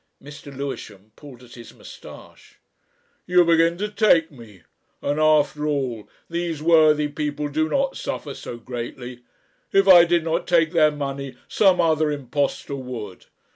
Mr. Lewisham pulled at his moustache. "You begin to take me. And after all, these worthy people do not suffer so greatly. If I did not take their money some other impostor would.